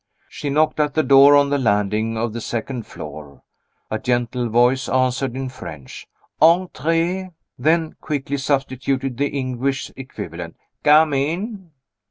She knocked at the door on the landing of the second floor. A gentle voice answered, in French; "Entrez!" then quickly substituted the English equivalent, "Come in!"